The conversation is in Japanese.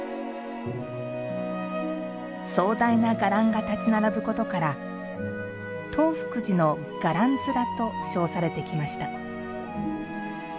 壮大な伽藍が建ち並ぶことから「東福寺の伽藍面」と称されてきました。